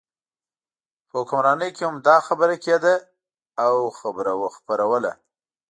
په حکمرانۍ کې هم دا خبره کېده او یې خپروله.